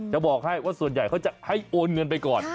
บอกให้ว่าส่วนใหญ่เขาจะให้โอนเงินไปก่อน